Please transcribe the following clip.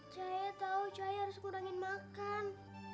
saya tahu saya harus kudangin makan